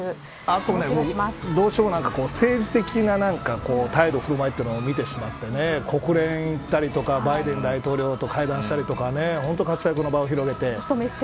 あと、どうしても政治的な態度や振る舞いを見てしまって国連行ったりとかバイデン大統領と面会したりとか本当に活躍の場を広げて。